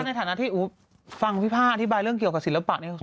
ในฐานะที่ฟังที่ฝ่าอธิบายเรื่องเกี่ยวกับสิรภาพนี้